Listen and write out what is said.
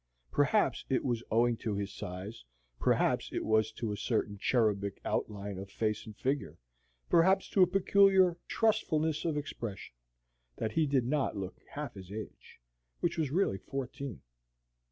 Perhaps it was owing to his size, perhaps it was to a certain cherubic outline of face and figure, perhaps to a peculiar trustfulness of expression, that he did not look half his age, which was really fourteen.